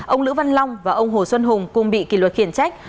ông lữ văn long và ông hồ xuân hùng cùng bị kỷ luật khiển trách